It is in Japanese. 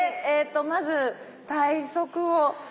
まず体側をこう。